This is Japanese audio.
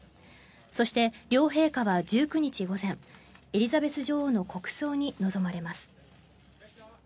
そして、両陛下は１９日午前エリザベス女王の国葬に臨まれます。